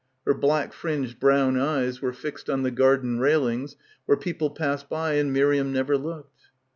Her black fringed brown eyes were fixed on the garden railings where people passed by and Miriam never looked.